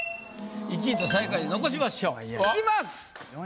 １位と最下位残しましょう。いきます。